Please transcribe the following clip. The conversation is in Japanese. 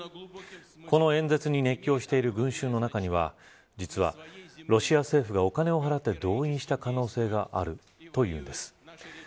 この演説に熱狂している群衆の中には実は、ロシア政府がお金を払って動員した可能性があるというんです。